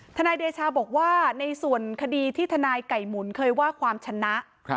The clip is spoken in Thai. นายเดชาบอกว่าในส่วนคดีที่ทนายไก่หมุนเคยว่าความชนะ